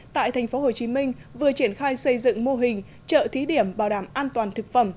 tại tp hcm vừa triển khai xây dựng mô hình chợ thí điểm bảo đảm an toàn thực phẩm